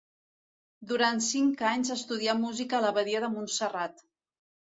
Durant cinc anys estudià música a l'abadia de Montserrat.